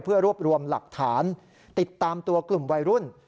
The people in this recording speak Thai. เพื่อรวบรวมหลักฐานติดตามตัวกลุ่มวัยรุ่น